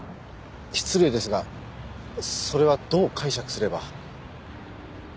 失礼ですがそれはどう解釈すれば？